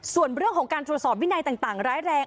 ส่วนเรื่องของการตรวจสอบวินัยต่างร้ายแรง